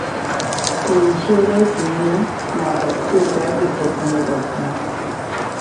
কৈশোরে তিনি নাটক থিয়েটার ইত্যাদি খুব পছন্দ করতেন।